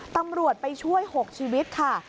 ตำรวจไปช่วย๖ชีวิตค่ะ